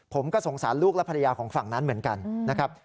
ผมก็สงสารลูกและภรรยาของฝั่งนั้นเหมือนกันนะครับ